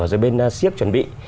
rồi bên siếp chuẩn bị